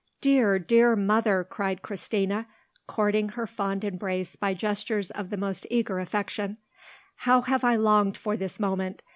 "Dear, dear mother!" cried Christina, courting her fond embrace by gestures of the most eager affection, "how have I longed for this moment!